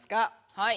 はい！